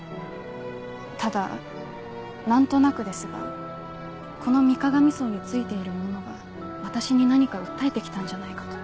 ただ何となくですがこの水鏡荘に憑いているものが私に何か訴えて来たんじゃないかと。